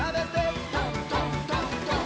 「どんどんどんどん」